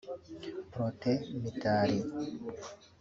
Protais Mitali